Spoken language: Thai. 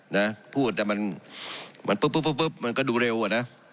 นะพูดแต่มันมันปุ๊บปุ๊บปุ๊บปุ๊บมันก็ดูเร็วอะนะ